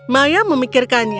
dapatkah kalian memikirkan contohnya